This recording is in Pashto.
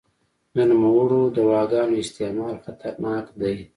د نوموړو دواګانو استعمال خطرناک دی.